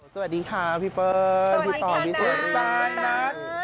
สวัสดีค่ะพี่เปิ๊ยสวัสดีค่ะนัท